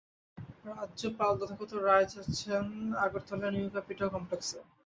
রাজ্যপাল তথাগত রায় যাচ্ছেন আগরতলায় নিউক্যাপিটাল কমপ্লেক্সে।